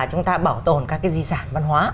chúng ta bảo tồn các di sản văn hóa